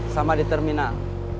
sama di terminal